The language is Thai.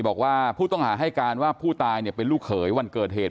บอกว่าผู้ต้องหาให้การว่าผู้ตายเนี่ยเป็นลูกเขยวันเกิดเหตุ